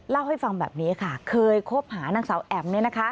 เล่าให้ฟังแบบนี้ค่ะเคยคบหานางสาวแอ๋ม